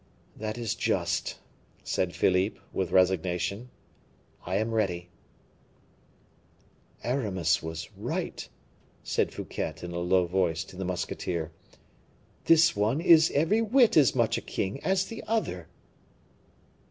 "That is just," said Philippe, with resignation; "I am ready." "Aramis was right," said Fouquet, in a low voice, to the musketeer, "this one is every whit as much a king as the other."